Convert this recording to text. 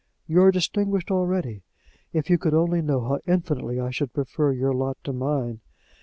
You are distinguished already. If you could only know how infinitely I should prefer your lot to mine!